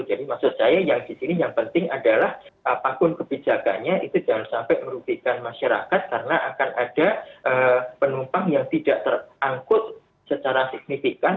jadi maksud saya yang di sini yang penting adalah apapun kebijakannya itu jangan sampai merupakan masyarakat karena akan ada penumpang yang tidak terangkut secara signifikan